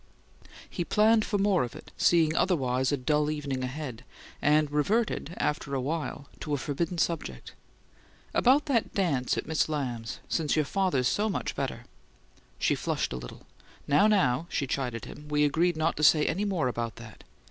He planned for more of it, seeing otherwise a dull evening ahead; and reverted, afterwhile, to a forbidden subject. "About that dance at Miss Lamb's since your father's so much better " She flushed a little. "Now, now!" she chided him. "We agreed not to say any more about that."